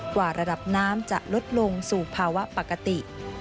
กว่าระดับน้ำจะลดลงสู่ภาวะปกติ